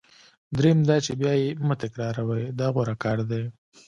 دریم دا چې بیا یې مه تکراروئ دا غوره کار دی.